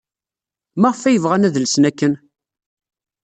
Maɣef ay bɣan ad lsen akken?